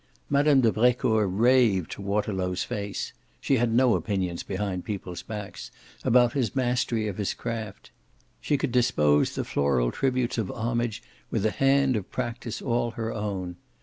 Mme. de Brecourt raved to Waterlow's face she had no opinions behind people's backs about his mastery of his craft; she could dispose the floral tributes of homage with a hand of practice all her own.